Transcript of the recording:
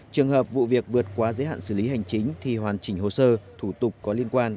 trường hợp vụ việc vượt qua giới hạn xử lý hành chính thì hoàn chỉnh hồ sơ thủ tục có liên quan